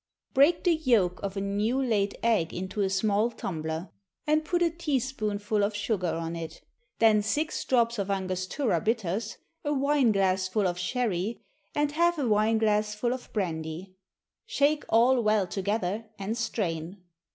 _ Break the yolk of a new laid egg into a small tumbler, and put a teaspoonful of sugar on it. Then six drops of Angostura bitters, a wine glassful of sherry, and half a wine glassful of brandy. Shake all well together, and strain.